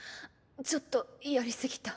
ちょっとやり過ぎた。